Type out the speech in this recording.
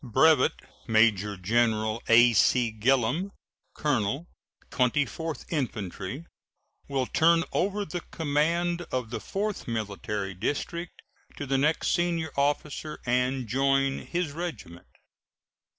Brevet Major General A.C. Gillem, colonel Twenty fourth Infantry, will turn over the command of the Fourth Military District to the next senior officer and join his regiment.